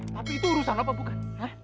tapi itu urusan apa bukan